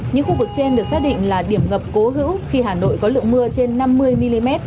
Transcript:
những khu vực trên được xác định là điểm ngập cố hữu khi hà nội có lượng mưa trên năm mươi mm